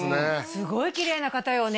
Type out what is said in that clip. すごいきれいな方よね